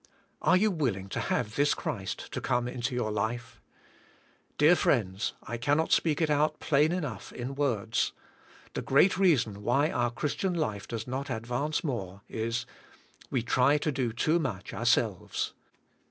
Are you willing to have this Christ to come into your life? Dear friends, I cannot speak it out plain enough in words. The great reason why our Christian life does not advance more, is: we try to do too much ourselves.